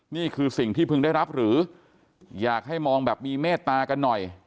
นี่คือสิ่งที่พึงได้รับหรืออยากให้มองแบบมีเมตตากันหน่อย